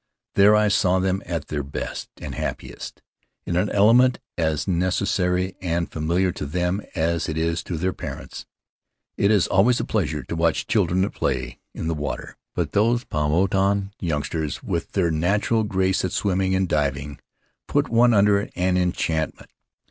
There I saw them at their best and happiest, in an element as necessary and familiar to them as it is to then parents. It is always a pleasure to watch children at play in the water, but those Paumotuan youngsters with their natural grace at swimming and diving put one under an enchantment.